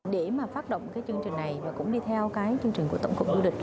để mà phát động cái chương trình này và cũng đi theo cái chương trình của tổng cục du lịch